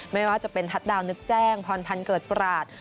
ไม่ว่าจะเป็นทัศน์ดาวนึกแจ้งพรพันธ์เกิดปราศ